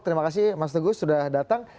terima kasih mas teguh sudah datang